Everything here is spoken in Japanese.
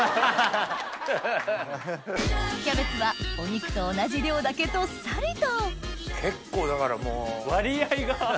キャベツはお肉と同じ量だけどっさりと結構だからもう。割合が。